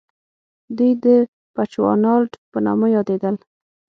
دوی د بچوانالنډ په نامه یادېدل.